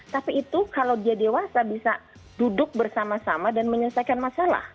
tapi itu kalau dia dewasa bisa duduk bersama sama dan menyelesaikan masalah